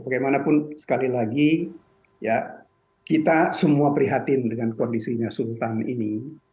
bagaimanapun sekali lagi kita semua prihatin dengan kondisinya sultan ini